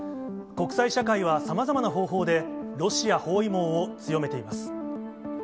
国際社会はさまざまな方法で、ロシア包囲網を強めています。